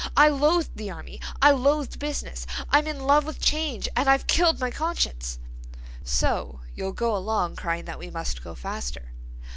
I loathed the army. I loathed business. I'm in love with change and I've killed my conscience—" "So you'll go along crying that we must go faster."